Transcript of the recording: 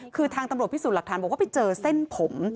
คือทางตำรวจพิสูจน์หลักฐานบอกว่าไปเจอเส้นผม